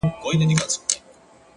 ډبري غورځوې تر شا لاسونه هم نيسې!!